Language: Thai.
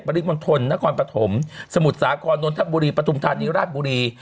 ริมณฑลนครปฐมสมุทรสาครนนทบุรีปฐุมธานีราชบุรี